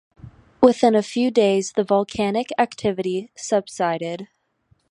Within a few days the volcanic activity subsided.